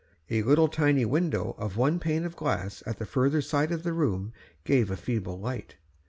A little tiny window of one pane of glass at the further side of the room gave a feeble light.